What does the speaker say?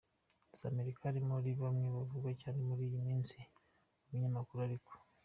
za Amerika ari muri bamwe bavugwa cyane muri iyi minsi mu binyamakuru ariko.